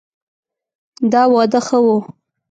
دا واده ښه ؤ